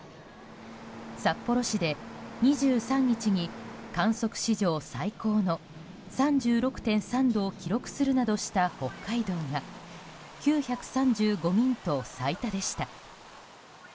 札幌市で２３日に観測史上最高の３６．３度を記録するなどした北海道が９３５人と最多でした。